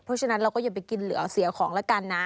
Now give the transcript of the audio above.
เพราะฉะนั้นเราก็อย่าไปกินเหลือเสียของละกันนะ